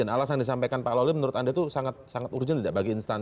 alasan yang disampaikan pak lawli menurut anda sangat urgent bagi instansi